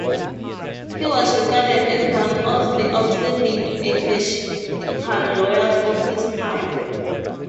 He was regarded as one off the outstanding ecclesiastical lawyers of his time.